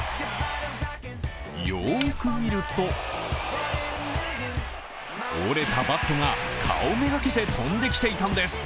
よーく見ると折れたバットが顔目がけて飛んできていたんです。